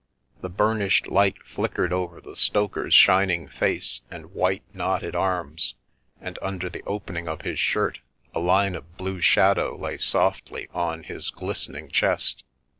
The burnished light flick ered over the stoker's shining face and white, knotted arms, and under the opening of his shirt a line of blue shadow lay softly on his glistening chest.